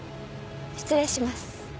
失礼します。